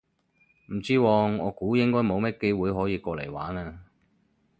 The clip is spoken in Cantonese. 唔知喎，我估應該冇乜機會可以過嚟玩嘞